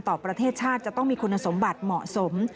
ประเทศชาติจะต้องมีคุณสมบัติเหมาะสม